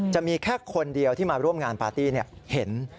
จะมีแค่คนเดียวที่มาร่วมงานปาร์ตี้เห็น